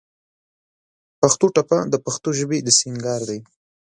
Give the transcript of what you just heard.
پښتو ټپه د پښتو ژبې د سينګار دى.